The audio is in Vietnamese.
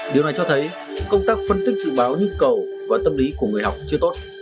điều này cho thấy công tác phân tích dự báo nhu cầu và tâm lý của người học chưa tốt